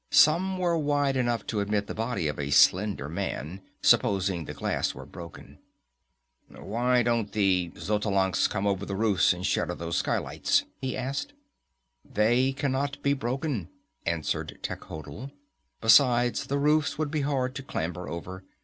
Some were wide enough to admit the body of a slender man, supposing the glass were broken. "Why don't the Xotalancas come over the roofs and shatter those skylights?" he asked. "They cannot be broken," answered Techotl. "Besides, the roofs would be hard to clamber over.